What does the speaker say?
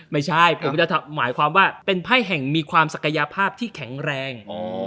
ไม่ใช่ผมจะหมายความว่าเป็นไพ่แห่งมีความศักยภาพที่แข็งแรง